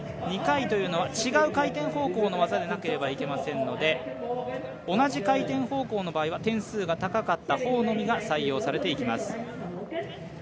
２回というのは違う回転方向の技でなければいけませんので同じ回転方向の場合は点数が高かった方のみが採用されていきます。